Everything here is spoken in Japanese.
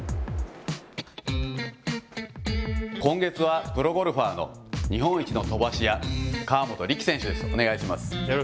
今月はプロゴルファーの日本一の飛ばし屋、河本力選手です。